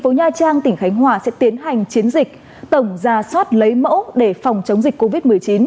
phố nha trang tỉnh khánh hòa sẽ tiến hành chiến dịch tổng ra soát lấy mẫu để phòng chống dịch covid một mươi chín